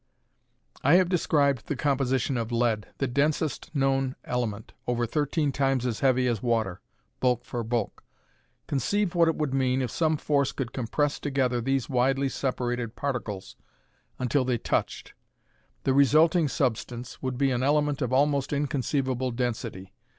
"I have described the composition of lead, the densest known element, over thirteen times as heavy as water, bulk for bulk. Conceive what it would mean if some force could compress together these widely separated particles until they touched. The resulting substance would be an element of almost inconceivable density.